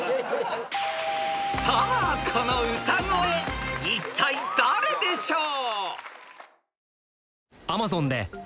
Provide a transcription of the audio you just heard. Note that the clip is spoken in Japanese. ［さあこの歌声いったい誰でしょう？］